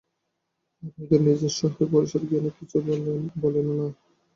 আর এদের, নিজের সহায়-পারিষদ জ্ঞানে কিছু বলেনও না।